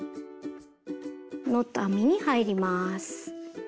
ノット編みに入ります。